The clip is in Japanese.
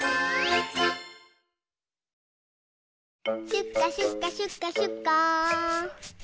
シュッカシュッカシュッカシュッカー。